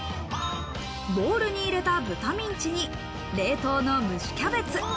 ボウルに入れた豚ミンチに冷凍の蒸しキャベツ。